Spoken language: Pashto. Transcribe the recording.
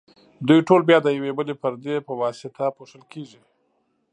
دوی ټول بیا د یوې بلې پردې په واسطه پوښل کیږي.